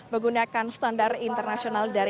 menggunakan standar internet